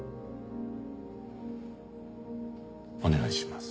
お願いします。